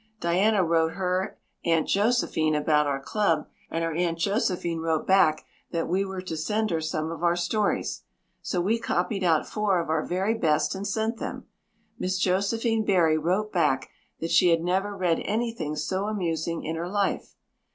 Diana wrote her Aunt Josephine about our club and her Aunt Josephine wrote back that we were to send her some of our stories. So we copied out four of our very best and sent them. Miss Josephine Barry wrote back that she had never read anything so amusing in her life.